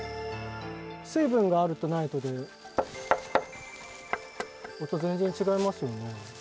水分があるとないとで音、全然違いますよね。